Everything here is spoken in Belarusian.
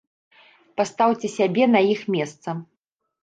Пастаўце сябе на іх месца.